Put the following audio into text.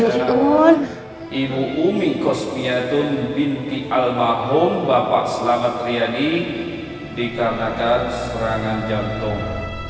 masya allah ibu umi kospiatun binti almarhum bapak selamat riani dikarenakan serangan jantung